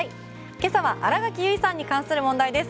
今朝は新垣結衣さんに関する問題です。